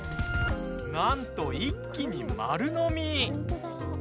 なんと、一気に丸飲み。